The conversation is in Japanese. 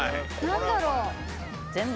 何だろう？